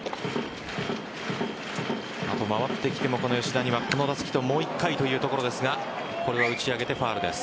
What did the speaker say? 回ってきても吉田にはこの打席ともう１回というところですがこれは打ち上げてファウルです。